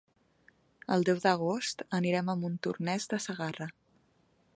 El deu d'agost anirem a Montornès de Segarra.